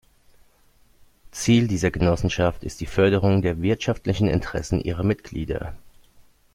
Ziel dieser Genossenschaften ist die Förderung der wirtschaftlichen Interessen ihrer Mitglieder.